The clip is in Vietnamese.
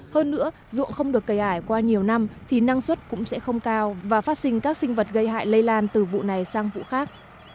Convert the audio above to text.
hơn nữa dụng không được cây ải qua nhiều năm thì năng suất cũng sẽ không cao và phát sinh các sinh vật gây hại lây lan từ vụ này sang vụ khác